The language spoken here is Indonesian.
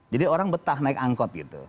jadi orang betah naik angkot gitu